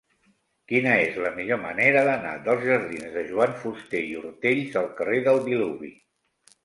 Quina és la millor manera d'anar dels jardins de Joan Fuster i Ortells al carrer del Diluvi?